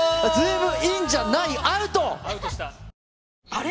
あれ？